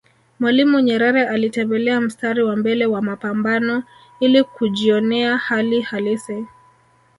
Mwalimu Nyerere alitembelea mstari wa mbele wa mapambano ili kujjionea hali halisi